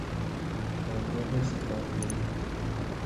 کارگاه سفالگری